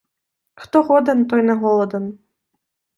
Хто годен, той не голоден.